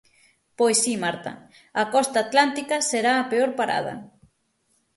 Pois si Marta, a costa atlántica será a peor parada.